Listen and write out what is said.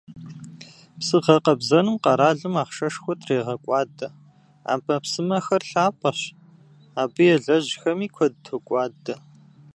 Псы гъэкъэбзэным къэралым ахъшэшхуэ трегъэкӀуадэ: Ӏэмэпсымэхэр лъапӀэщ, абы елэжьахэми куэд токӀуадэ.